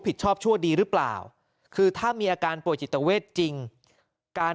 ชอบชั่วดีหรือเปล่าคือถ้ามีอาการป่วยจิตเวทจริงการ